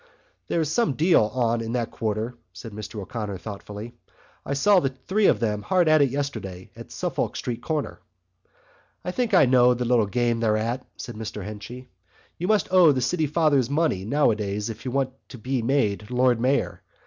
"There's some deal on in that quarter," said Mr O'Connor thoughtfully. "I saw the three of them hard at it yesterday at Suffolk Street corner." "I think I know the little game they're at," said Mr Henchy. "You must owe the City Fathers money nowadays if you want to be made Lord Mayor.